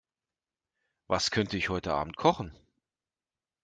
Was könnte ich heute Abend kochen?